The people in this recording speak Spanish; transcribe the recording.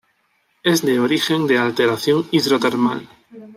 Es de origen de alteración hidrotermal.